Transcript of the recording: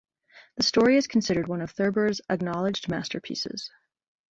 The story is considered one of Thurber's "acknowledged masterpieces".